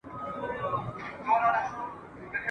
لمر لوېدلی وو هوا تیاره کېدله !.